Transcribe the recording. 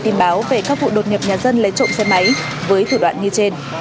có hai mươi tin báo về các vụ đột nghiệp nhà dân lấy trộm xe máy với thủ đoạn như trên